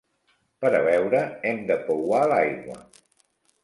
Per a beure hem de pouar l'aigua.